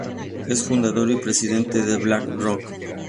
Es fundador y presidente de BlackRock.